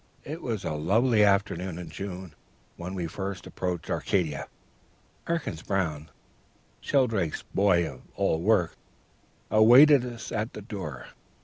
It was a lovely afternoon in June when we first approached Arcadia.... Perkins Brown, Shelldrake's boy of all work, awaited us at the door.